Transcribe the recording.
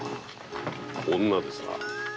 女ですな。